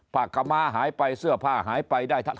ผากม้าหายไปเสื้อผ้าหายไปได้เท่าไร